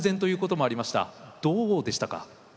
どうでしたか？